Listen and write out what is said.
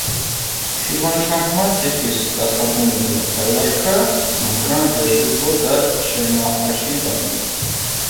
შირვანშაჰმა ციხის დასაბრუნებლად გაილაშქრა, მაგრამ ვერ შეძლო და შემახაში დაბრუნდა.